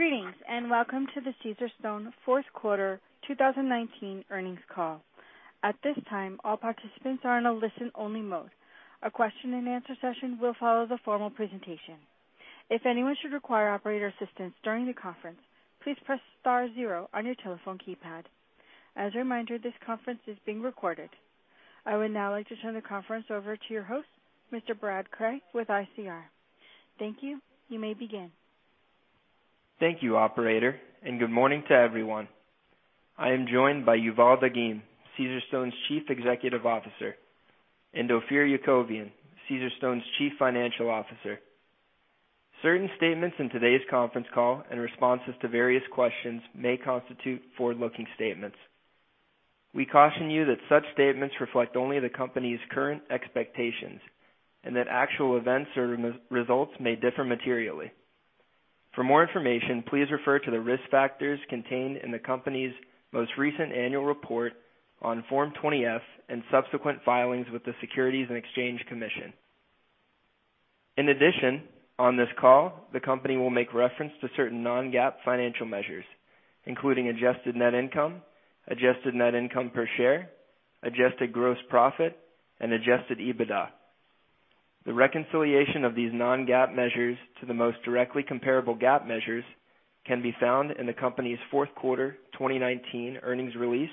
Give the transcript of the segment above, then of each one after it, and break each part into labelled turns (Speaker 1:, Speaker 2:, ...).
Speaker 1: Greetings, and welcome to the Caesarstone Q4 2019 earnings call. At this time, all participants are in a listen-only mode. A question and answer session will follow the formal presentation. If anyone should require operator assistance during the conference, please press star zero on your telephone keypad. As a reminder, this conference is being recorded. I would now like to turn the conference over to your host, Mr. Brad Cray with ICR. Thank you. You may begin.
Speaker 2: Thank you, operator. Good morning to everyone. I am joined by Yuval Dagim, Caesarstone's Chief Executive Officer, and Ophir Yakovian, Caesarstone's Chief Financial Officer. Certain statements in today's conference call and responses to various questions may constitute forward-looking statements. We caution you that such statements reflect only the company's current expectations and that actual events or results may differ materially. For more information, please refer to the risk factors contained in the company's most recent annual report on Form 20-F and subsequent filings with the Securities and Exchange Commission. In addition, on this call, the company will make reference to certain non-GAAP financial measures, including adjusted net income, adjusted net income per share, adjusted gross profit, and adjusted EBITDA. The reconciliation of these non-GAAP measures to the most directly comparable GAAP measures can be found in the company's Q4 2019 earnings release,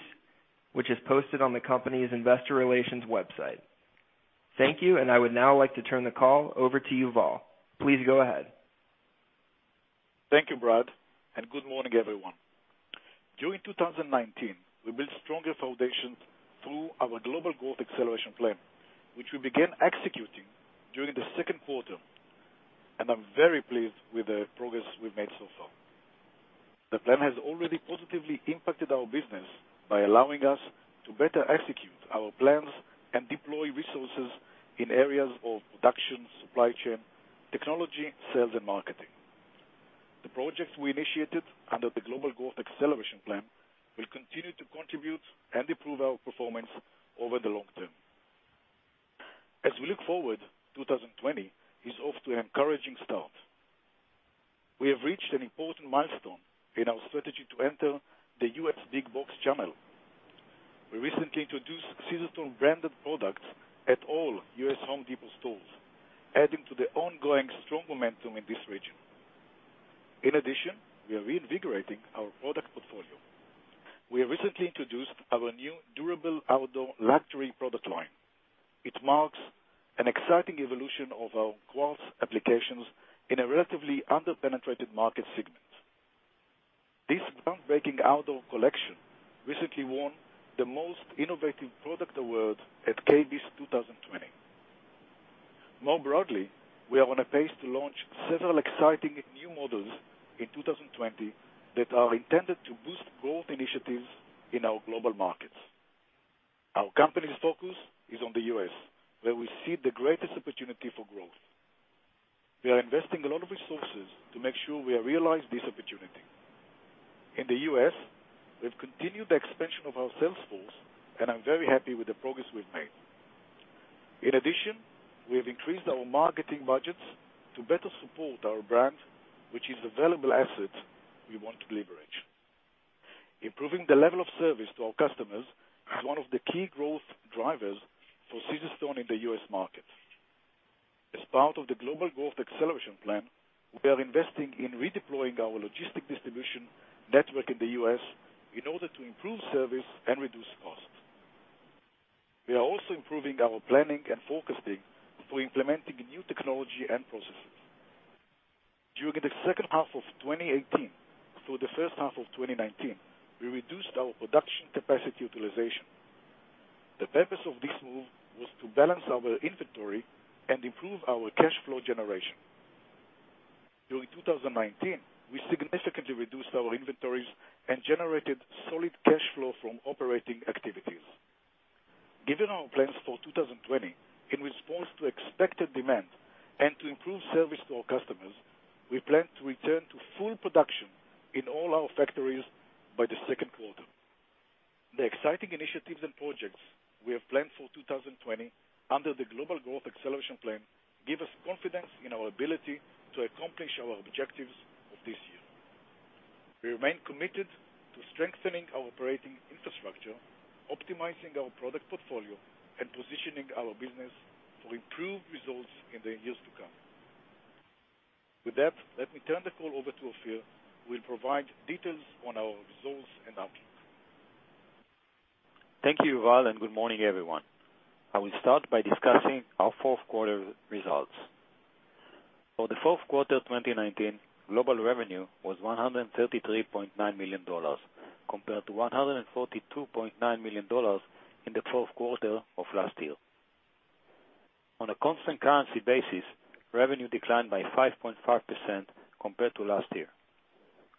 Speaker 2: which is posted on the company's investor relations website. Thank you. I would now like to turn the call over to Yuval. Please go ahead.
Speaker 3: Thank you, Brad, and good morning, everyone. During 2019, we built stronger foundations through our Global Growth Acceleration Plan, which we began executing during the Q2, and I'm very pleased with the progress we've made so far. The plan has already positively impacted our business by allowing us to better execute our plans and deploy resources in areas of production, supply chain, technology, sales, and marketing. The projects we initiated under the Global Growth Acceleration Plan will continue to contribute and improve our performance over the long term. As we look forward, 2020 is off to an encouraging start. We have reached an important milestone in our strategy to enter the U.S. big box channel. We recently introduced Caesarstone-branded products at all U.S. Home Depot stores, adding to the ongoing strong momentum in this region. In addition, we are reinvigorating our product portfolio. We have recently introduced our new durable outdoor luxury product line. It marks an exciting evolution of our quartz applications in a relatively under-penetrated market segment. This groundbreaking outdoor collection recently won the most innovative product award at KBIS 2020. More broadly, we are on a pace to launch several exciting new models in 2020 that are intended to boost growth initiatives in our global markets. Our company's focus is on the U.S., where we see the greatest opportunity for growth. We are investing a lot of resources to make sure we realize this opportunity. In the U.S., we've continued the expansion of our sales force, and I'm very happy with the progress we've made. In addition, we have increased our marketing budgets to better support our brand, which is a valuable asset we want to leverage. Improving the level of service to our customers is one of the key growth drivers for Caesarstone in the U.S. market. As part of the global growth acceleration plan, we are investing in redeploying our logistic distribution network in the U.S. in order to improve service and reduce costs. We are also improving our planning and forecasting through implementing new technology and processes. During the second half of 2018 through the first half of 2019, we reduced our production capacity utilization. The purpose of this move was to balance our inventory and improve our cash flow generation. During 2019, we significantly reduced our inventories and generated solid cash flow from operating activities. Given our plans for 2020, in response to expected demand and to improve service to our customers, we plan to return to full production in all our factories by the Q2. The exciting initiatives and projects we have planned for 2020 under the Global Growth Acceleration Plan give us confidence in our ability to accomplish our objectives of this year. We remain committed to strengthening our operating infrastructure, optimizing our product portfolio, and positioning our business for improved results in the years to come. With that, let me turn the call over to Ophir, who will provide details on our results and outlook.
Speaker 4: Thank you, Yuval. Good morning, everyone. I will start by discussing our Q4 results. For the Q4 2019, global revenue was $133.9 million, compared to $142.9 million in the Q4 of last year. On a constant currency basis, revenue declined by 5.5% compared to last year.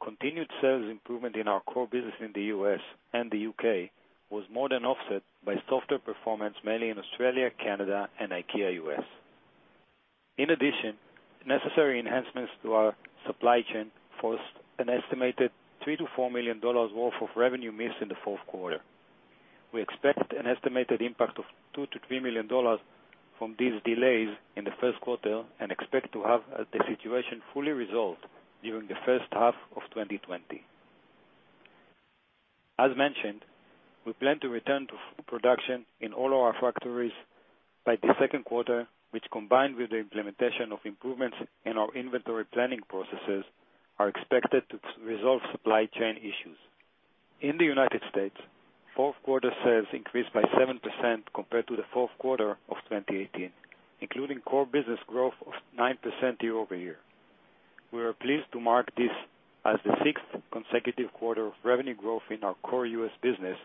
Speaker 4: Continued sales improvement in our core business in the U.S. and the U.K. was more than offset by softer performance, mainly in Australia, Canada, and IKEA U.S. In addition, necessary enhancements to our supply chain forced an estimated $3 million-$4 million worth of revenue missed in the Q4. we expect an estimated impact of $2 million-$3 million from these delays in the Q1, and expect to have the situation fully resolved during the first half of 2020. As mentioned, we plan to return to production in all our factories by the Q2, which combined with the implementation of improvements in our inventory planning processes, are expected to resolve supply chain issues. In the U.S., Q4 sales increased by 7% compared to the Q4 of 2018, including core business growth of 9% year-over-year. We are pleased to mark this as the sixth consecutive quarter of revenue growth in our core U.S. business,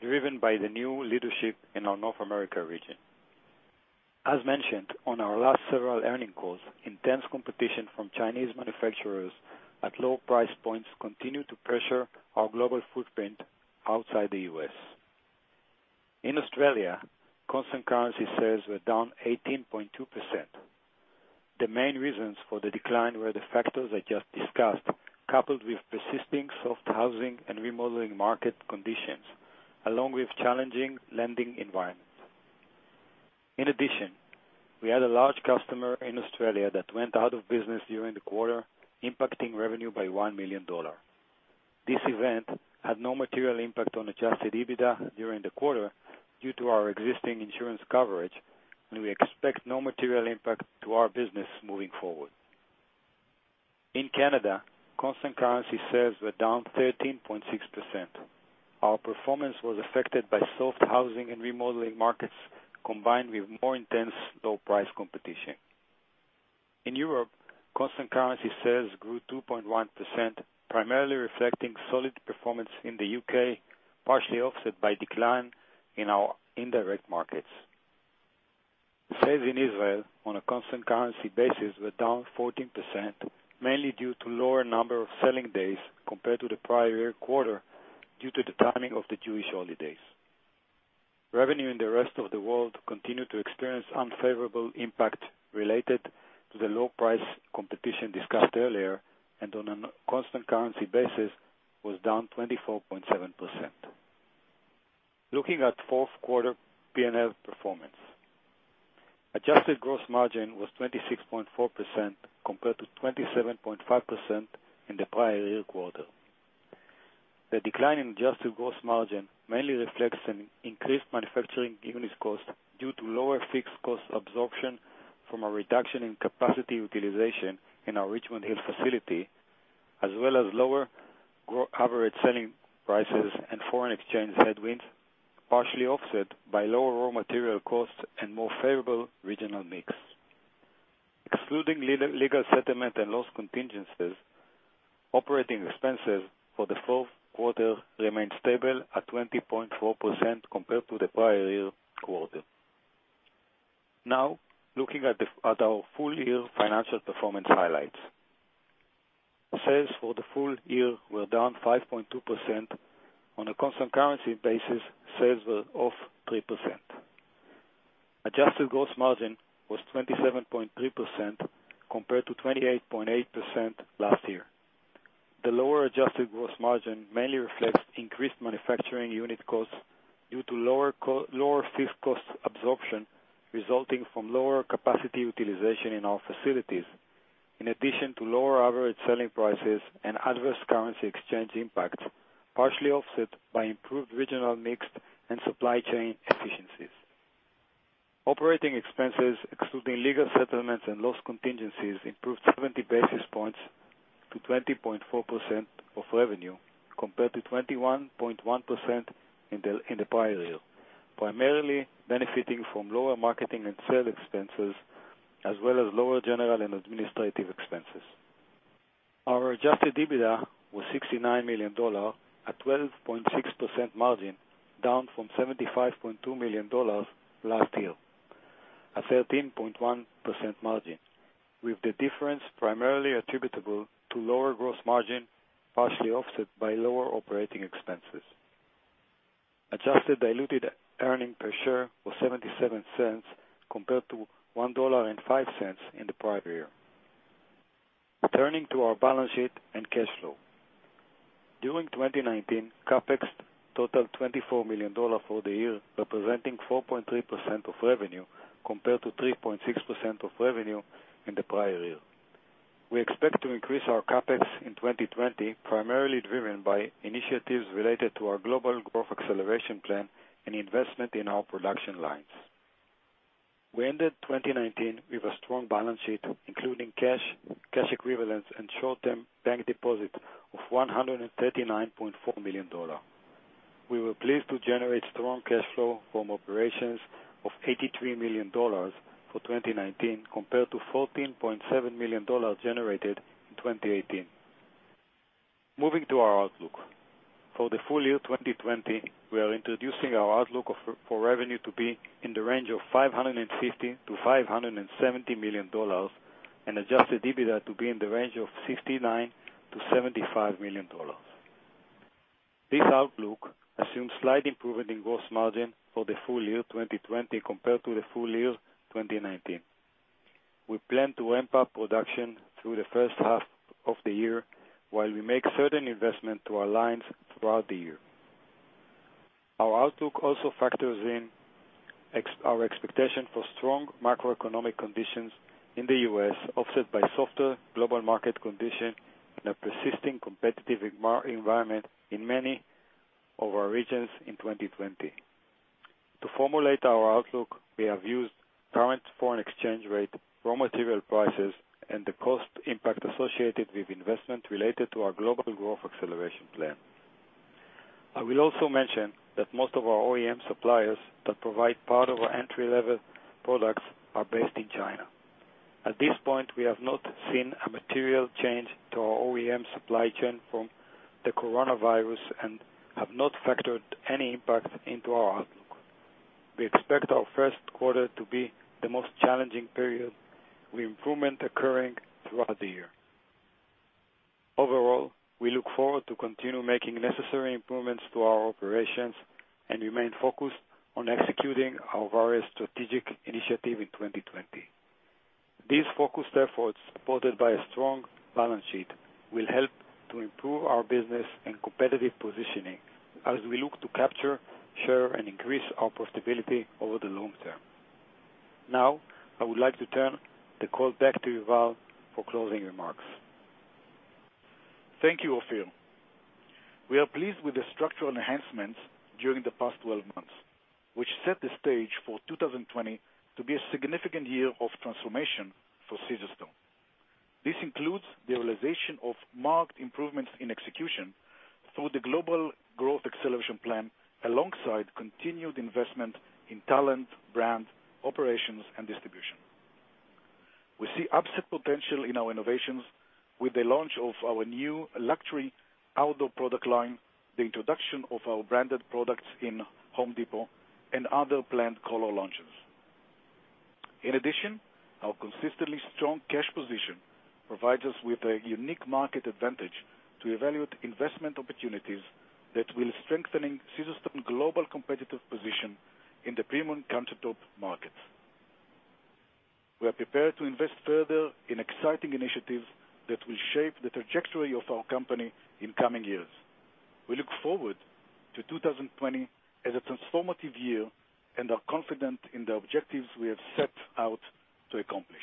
Speaker 4: driven by the new leadership in our North America region. As mentioned on our last several earning calls, intense competition from Chinese manufacturers at low price points continue to pressure our global footprint outside the U.S. In Australia, constant currency sales were down 18.2%. The main reasons for the decline were the factors I just discussed, coupled with persisting soft housing and remodeling market conditions, along with challenging lending environments. In addition, we had a large customer in Australia that went out of business during the quarter, impacting revenue by $1 million. This event had no material impact on adjusted EBITDA during the quarter due to our existing insurance coverage, and we expect no material impact to our business moving forward. In Canada, constant currency sales were down 13.6%. Our performance was affected by soft housing and remodeling markets, combined with more intense low-price competition. In Europe, constant currency sales grew 2.1%, primarily reflecting solid performance in the U.K., partially offset by decline in our indirect markets. Sales in Israel on a constant currency basis were down 14%, mainly due to lower number of selling days compared to the prior year quarter, due to the timing of the Jewish holidays. Revenue in the rest of the world continued to experience unfavorable impact related to the low-price competition discussed earlier, and on a constant currency basis, was down 24.7%. Looking at Q4 P&L performance. Adjusted gross margin was 26.4% compared to 27.5% in the prior year quarter. The decline in adjusted gross margin mainly reflects an increased manufacturing unit cost due to lower fixed cost absorption from a reduction in capacity utilization in our Richmond Hill facility, as well as lower average selling prices and foreign exchange headwinds, partially offset by lower raw material costs and more favorable regional mix. Excluding legal settlement and loss contingencies, operating expenses for the Q4 remained stable at 20.4% compared to the prior year quarter. Now, looking at our full-year financial performance highlights. Sales for the full year were down 5.2%. On a constant currency basis, sales were off 3%. Adjusted gross margin was 27.3% compared to 28.8% last year. The lower adjusted gross margin mainly reflects increased manufacturing unit costs due to lower fixed cost absorption, resulting from lower capacity utilization in our facilities, in addition to lower average selling prices and adverse currency exchange impact, partially offset by improved regional mix and supply chain efficiencies. Operating expenses, excluding legal settlements and loss contingencies, improved 70 basis points to 20.4% of revenue compared to 21.1% in the prior year, primarily benefiting from lower marketing and sale expenses, as well as lower general and administrative expenses. Our adjusted EBITDA was $69 million at 12.6% margin, down from $75.2 million last year, a 13.1% margin, with the difference primarily attributable to lower gross margin, partially offset by lower operating expenses. Adjusted diluted earning per share was $0.77, compared to $1.05 in the prior year. Turning to our balance sheet and cash flow. During 2019, CapEx totaled $24 million for the year, representing 4.3% of revenue compared to 3.6% of revenue in the prior year. We expect to increase our CapEx in 2020, primarily driven by initiatives related to our global growth acceleration plan and investment in our production lines. We ended 2019 with a strong balance sheet, including cash equivalents, and short-term bank deposits of $139.4 million. We were pleased to generate strong cash flow from operations of $83 million for 2019 compared to $14.7 million generated in 2018. Moving to our outlook. For the full year 2020, we are introducing our outlook for revenue to be in the range of $550 million-$570 million, and adjusted EBITDA to be in the range of $69 million-$75 million. This outlook assumes slight improvement in gross margin for the full year 2020 compared to the full year 2019. We plan to ramp up production through the first half of the year while we make certain investment to our lines throughout the year. Our outlook also factors in our expectation for strong macroeconomic conditions in the U.S., offset by softer global market condition and a persisting competitive environment in many of our regions in 2020. To formulate our outlook, we have used current foreign exchange rate, raw material prices, and the cost impact associated with investment related to our global growth acceleration plan. I will also mention that most of our OEM suppliers that provide part of our entry-level products are based in China. At this point, we have not seen a material change to our OEM supply chain from the Corona virus and have not factored any impact into our outlook. We expect our Q1 to be the most challenging period, with improvement occurring throughout the year. Overall, we look forward to continue making necessary improvements to our operations and remain focused on executing our various strategic initiative in 2020. These focused efforts, supported by a strong balance sheet, will help to improve our business and competitive positioning as we look to capture, share, and increase our profitability over the long term. Now, I would like to turn the call back to Yuval for closing remarks.
Speaker 3: Thank you, Ophir. We are pleased with the structural enhancements during the past 12 months, which set the stage for 2020 to be a significant year of transformation for Caesarstone. This includes the realization of marked improvements in execution through the global growth acceleration plan, alongside continued investment in talent, brand, operations, and distribution. We see upside potential in our innovations with the launch of our new luxury outdoor product line, the introduction of our branded products in Home Depot, and other planned color launches. In addition, our consistently strong cash position provides us with a unique market advantage to evaluate investment opportunities that will strengthen Caesarstone global competitive position in the premium countertop market. We are prepared to invest further in exciting initiatives that will shape the trajectory of our company in coming years. We look forward to 2020 as a transformative year and are confident in the objectives we have set out to accomplish.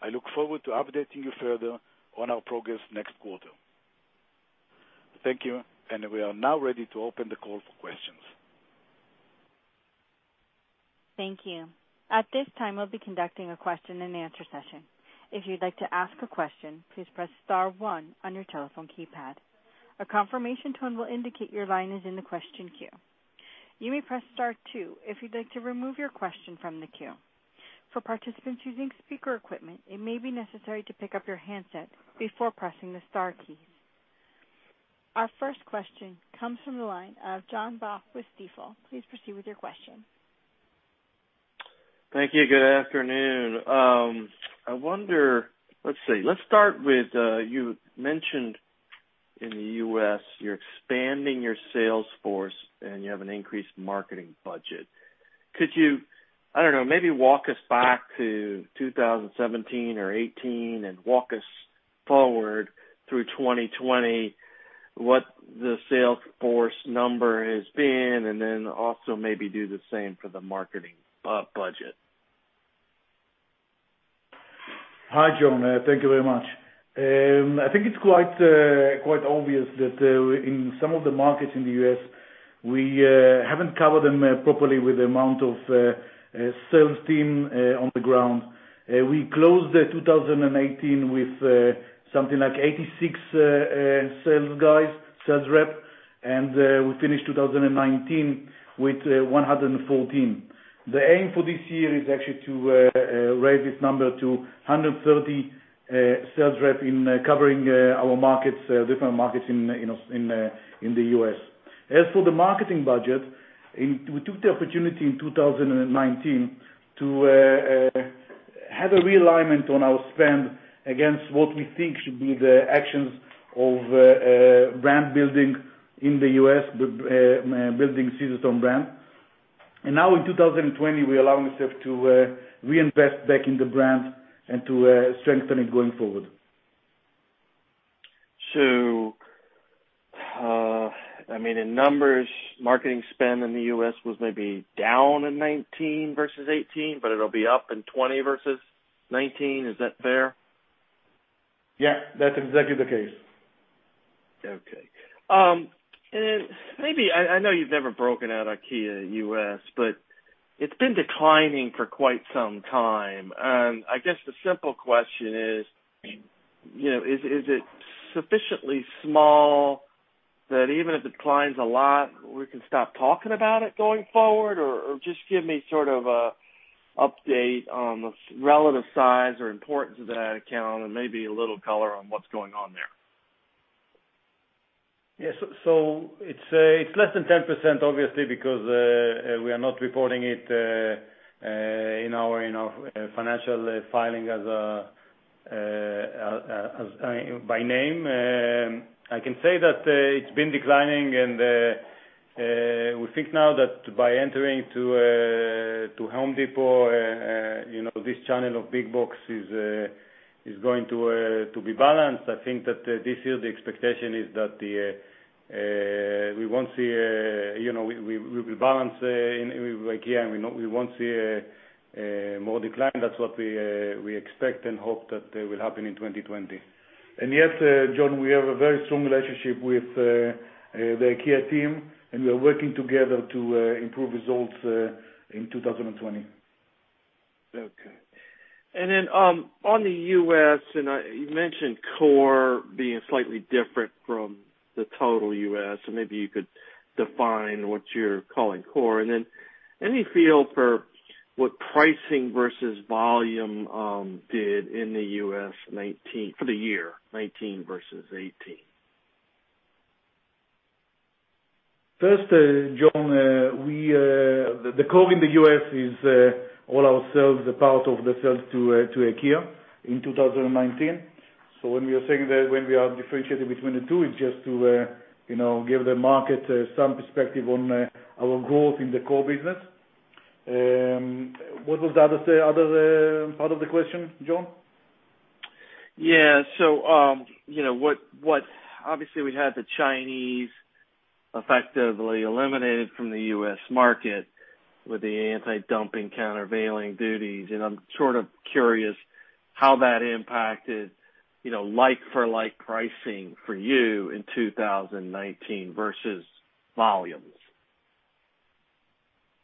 Speaker 3: I look forward to updating you further on our progress next quarter. Thank you. We are now ready to open the call for questions.
Speaker 1: Thank you. At this time, we'll be conducting a question and answer session. If you'd like to ask a question, please press star one on your telephone keypad. A confirmation tone will indicate your line is in the question queue. You may press star two if you'd like to remove your question from the queue. For participants using speaker equipment, it may be necessary to pick up your handset before pressing the star keys. Our first question comes from the line of John Bock with Stifel. Please proceed with your question.
Speaker 5: Thank you. Good afternoon. I wonder, let's see. Let's start with, you mentioned in the U.S. you're expanding your sales force, and you have an increased marketing budget. Could you, I don't know, maybe walk us back to 2017 or 2018 and walk us forward through 2020, what the sales force number has been, and then also maybe do the same for the marketing budget?
Speaker 3: Hi, John. Thank you very much. I think it's quite obvious that in some of the markets in the U.S., we haven't covered them properly with the amount of sales team on the ground. We closed 2018 with something like 86 sales guys, sales rep, and we finished 2019 with 114. The aim for this year is actually to raise this number to 130 sales rep in covering our markets, different markets in the U.S. As for the marketing budget, we took the opportunity in 2019 to have a realignment on our spend against what we think should be the actions of brand building in the U.S., building Caesarstone brand. Now in 2020, we allow our self to reinvest back in the brand and to strengthen it going forward.
Speaker 5: I mean, in numbers, marketing spend in the U.S. was maybe down in 2019 versus 2018, but it'll be up in 2020 versus 2019. Is that fair?
Speaker 3: Yeah, that's exactly the case.
Speaker 5: Okay. Maybe, I know you've never broken out IKEA U.S., but it's been declining for quite some time. I guess the simple question is it sufficiently small that even if it declines a lot, we can stop talking about it going forward? Just give me sort of a update on the relative size or importance of that account and maybe a little color on what's going on there.
Speaker 3: Yeah. It's less than 10%, obviously, because we are not reporting it in our financial filing by name. I can say that it's been declining and we think now that by entering to Home Depot, this channel of big box is going to be balanced. I think that this year, the expectation is that we will balance with IKEA, and we won't see more decline. That's what we expect and hope that will happen in 2020. Yes, John, we have a very strong relationship with the IKEA team, and we are working together to improve results in 2020.
Speaker 5: Okay. On the U.S., you mentioned core being slightly different from the total U.S. maybe you could define what you're calling core. Any feel for what pricing versus volume did in the U.S. for the year 2019 versus 2018?
Speaker 3: First, John, the core in the U.S. is all our sales, the part of the sales to IKEA in 2019. When we are saying that when we are differentiating between the two, it's just to give the market some perspective on our growth in the core business. What was the other part of the question, John?
Speaker 5: Yeah. Obviously, we had the Chinese effectively eliminated from the U.S. market with the anti-dumping countervailing duties i'm sort of curious how that impacted like for like pricing for you in 2019 versus volumes.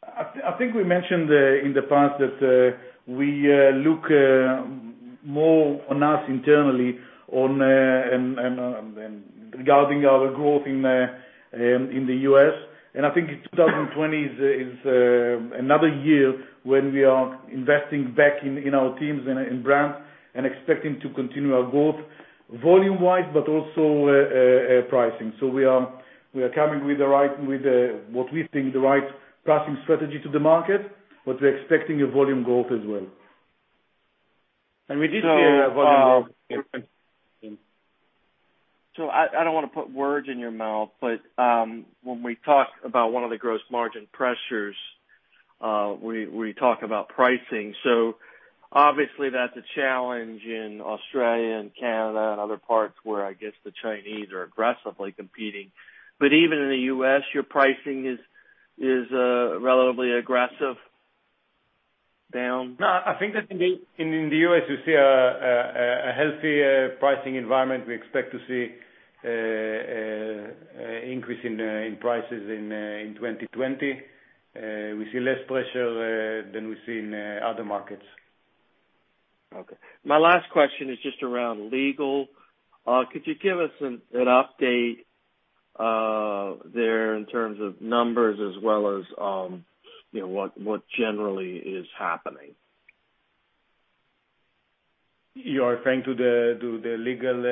Speaker 3: I think we mentioned in the past that we look more on us internally regarding our growth in the U.S., I think 2020 is another year when we are investing back in our teams and in brand and expecting to continue our growth volume-wise, but also pricing so we are, coming with what we think the right pricing strategy to the market, but we're expecting a volume growth as well. We did see a volume growth-
Speaker 5: I don't want to put words in your mouth, but when we talk about one of the gross margin pressures, we talk about pricing. Obviously, that's a challenge in Australia and Canada and other parts where I guess the Chinese are aggressively competing. Even in the U.S., your pricing is relatively aggressive down?
Speaker 3: No, I think that in the U.S., you see a healthier pricing environment we expect to see increase in prices in 2020. We see less pressure than we see in other markets.
Speaker 5: Okay. My last question is just around legal. Could you give us an update there in terms of numbers as well as what generally is happening?
Speaker 3: You are referring to the legal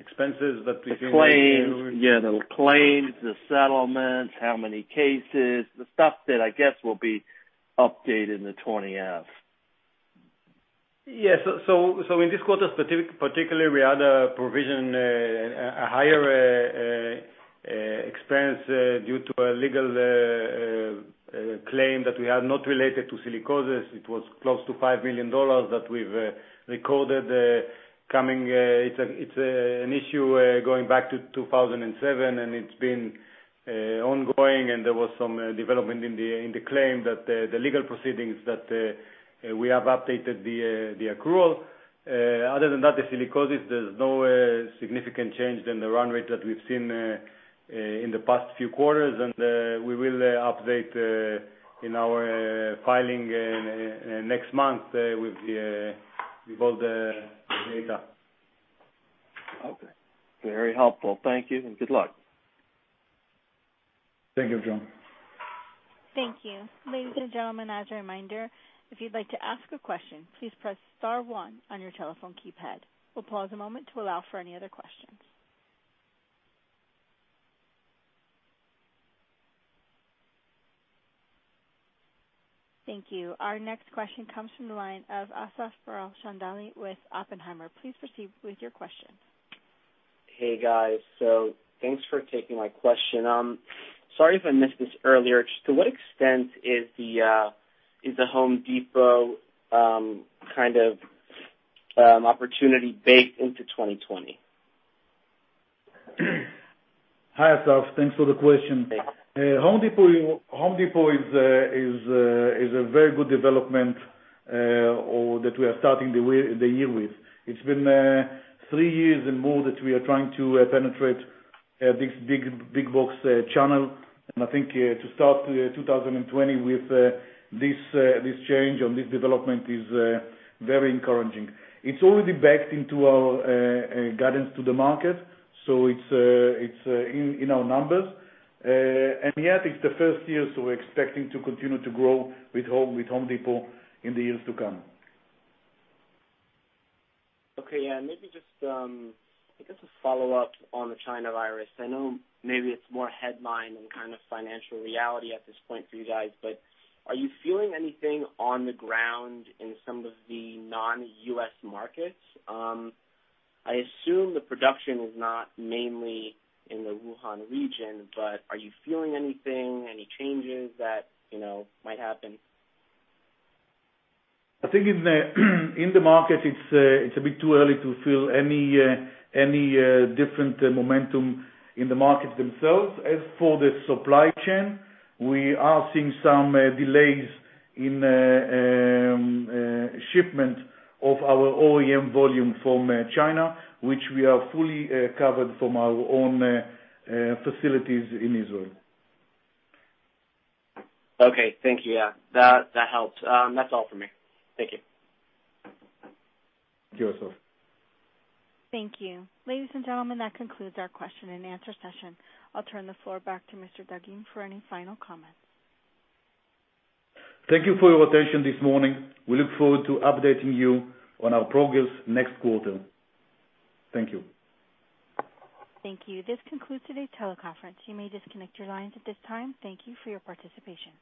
Speaker 3: expenses that we.
Speaker 5: The claims. Yeah, the claims, the settlements, how many cases? the stuff that I guess will be updated in the 20-F.
Speaker 3: In this quarter particularly, we had a provision, a higher expense due to a legal claim that we had not related to silicosis it was close to $5 million that we've recorded. It's an issue going back to 2007, and it's been ongoing, and there was some development in the claim that the legal proceedings that we have updated the accrual. Other than that, the silicosis, there's no significant change than the run rate that we've seen in the past few quarters. We will update in our filing next month with all the data.
Speaker 5: Okay. Very helpful. Thank you, and good luck.
Speaker 3: Thank you, John.
Speaker 1: Thank you. Ladies and gentlemen, as a reminder, if you'd like to ask a question, please press star one on your telephone keypad. We'll pause a moment to allow for any other questions. Thank you. Our next question comes from the line of Asaf Berel Shandali with Oppenheimer. Please proceed with your question.
Speaker 6: Hey, guys. Thanks for taking my question. Sorry if I missed this earlier to what extent is the Home Depot kind of opportunity baked into 2020?
Speaker 3: Hi, Asaf. Thanks for the question.
Speaker 6: Thanks.
Speaker 3: Home Depot is a very good development that we are starting the year with. It's been three years and more that we are trying to penetrate this big box channel. I think to start 2020 with this change on this development is very encouraging. It's already baked into our guidance to the market, so it's in our numbers. Yet, it's the first year, so we're expecting to continue to grow with Home Depot in the years to come.
Speaker 6: Okay. Yeah maybe just, I guess, a follow-up on the China virus i know maybe it's more headline than kind of financial reality at this point for you guys. Are you feeling anything on the ground in some of the non-U.S. markets? I assume the production is not mainly in the Wuhan region but are you feeling anything, any changes that might happen?
Speaker 3: I think in the market, it's a bit too early to feel any different momentum in the markets themselves as for the supply chain, we are seeing some delays in shipment of our OEM volume from China, which we are fully covered from our own facilities in Israel.
Speaker 6: Okay. Thank you. Yeah. That helps. That's all for me. Thank you.
Speaker 3: Thank you, Asaf.
Speaker 1: Thank you. Ladies and gentlemen, that concludes our question and answer session. I'll turn the floor back to Mr. Dagim for any final comments.
Speaker 3: Thank you for your attention this morning. We look forward to updating you on our progress next quarter. Thank you.
Speaker 1: Thank you. This concludes today's teleconference. You may disconnect your lines at this time. Thank you for your participation.